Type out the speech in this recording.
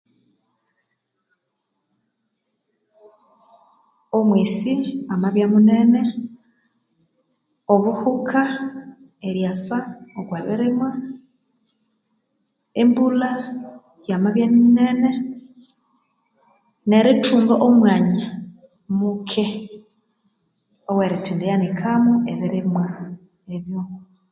Omwesi amabya munene obuhuka eryasa okwa birimwa, embulha yamabya nyinene ,nerithunga omwanya muke owerithendi nikamo ebirimwa ebyo.